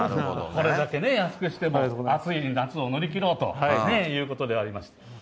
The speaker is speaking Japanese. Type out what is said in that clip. これだけ安くしても暑い夏を乗り切ろうということであります。